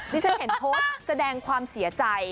ดิฉันเห็นโทษแสดงความเสียใจ